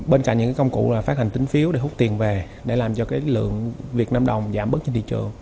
bên cạnh những công cụ là phát hành tính phiếu để hút tiền về để làm cho cái lượng việt nam đồng giảm bớt trên thị trường